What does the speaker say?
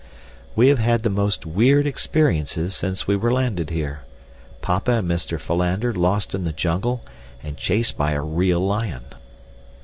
We have had the most weird experiences since we were landed here. Papa and Mr. Philander lost in the jungle, and chased by a real lion.